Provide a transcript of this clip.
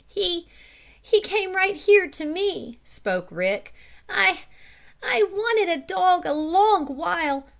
"He he came right here to me," spoke Rick. "I I wanted a dog a long while.